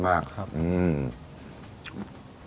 อเจมส์อยู่ข้างล่างครับครับ